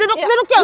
duduk duduk cil